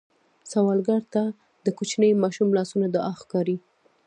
سوالګر ته د کوچني ماشوم لاسونه دعا ښکاري